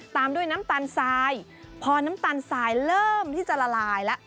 ตามด้วยน้ำตาลทรายพอน้ำตาลทรายเริ่มที่จะละลายแล้ว